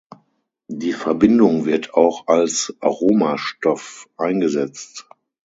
Die Verbindung wird auch als Aromastoff eingesetzt.